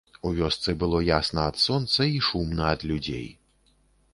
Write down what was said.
У вёсцы было ясна ад сонца і шумна ад людзей.